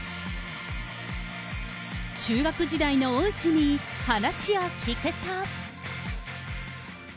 中学時代の恩師に話を聞くと。